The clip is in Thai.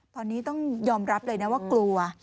ตอนนี้ต้องยอมรับเลยนะว่ากลัว